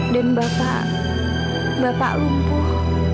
dan bapak bapak lumpuh